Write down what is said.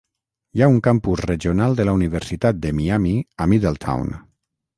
Hi ha un campus regional de la Universitat de Miami a Middletown.